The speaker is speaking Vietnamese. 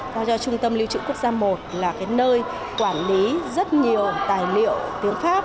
cho trung tâm lưu trữ quốc gia i là nơi quản lý rất nhiều tài liệu tiếng pháp